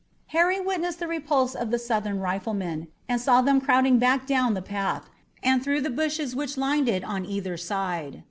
Harry witnessed the repulse of the Southern riflemen and saw them crowding back down the path and through the bushes which lined it on either side.